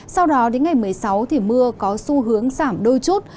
sau đó đến ngày một mươi sáu thì mưa có xu hướng giảm đôi chút